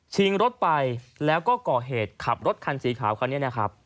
ชิงรถไปแล้วก็ก่อเหตุขับรถคันสีขาวคันนี้